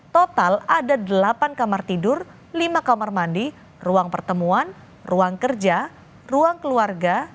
total ada delapan kamar tidur lima kamar mandi ruang pertemuan ruang kerja ruang keluarga